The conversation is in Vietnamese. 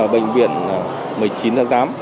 bệnh viện một mươi chín tháng tám